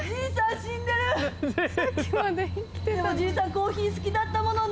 コーヒー好きだったものね！